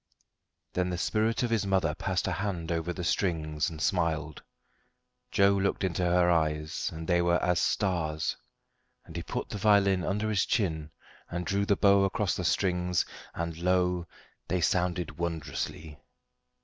"] Then the spirit of his mother passed a hand over the the strings, and smiled. Joe looked into her eyes, and they were as stars. And he put the violin under his chin, and drew the bow across the strings and lo! they sounded wondrously.